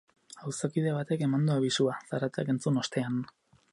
Auzokide batek eman du abisua, zaratak entzun ostean.